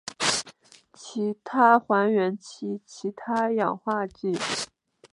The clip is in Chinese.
其他还原器其他氧化剂